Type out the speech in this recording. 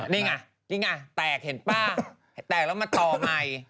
นี่ไงนี่ไงแตกเห็นป่ะแตกแล้วมาต่อใหม่